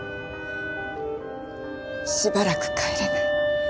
しばらく帰れない。